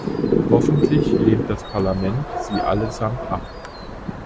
Hoffentlich lehnt das Parlament sie allesamt ab.